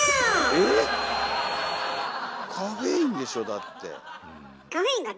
ええ⁉カフェインでしょだって。